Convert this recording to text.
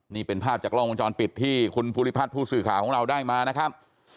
นี่เป็นภาพจากกล้องวงจรปิดที่คุณภูริพัฒน์ผู้สื่อข่าวของเราได้มานะครับ